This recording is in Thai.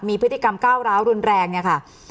มีพฤติกรรมก้าวร้าวรุนแรงเนี่ยค่ะ